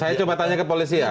saya coba tanya ke polisi ya